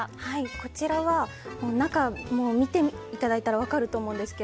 こちらは中を見ていただいたら分かると思うんですが